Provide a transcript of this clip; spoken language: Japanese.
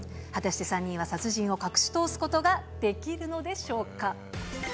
果たして３人は、殺人を隠し通すことができるのでしょうか。